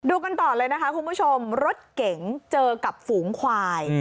กันต่อเลยนะคะคุณผู้ชมรถเก๋งเจอกับฝูงควาย